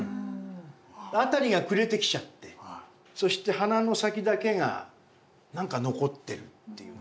辺りが暮れてきちゃってそして鼻の先だけが何か残ってるっていう。